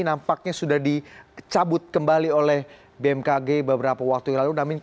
nampaknya sudah dicabut kembali oleh bmkg beberapa waktu yang lalu